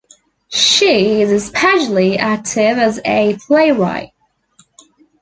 She is especially active as a playwright.